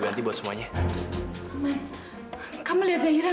kayaknya masih kenceng itu kerja dia